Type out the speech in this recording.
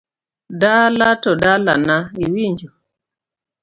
Dala to dalana iwinjo.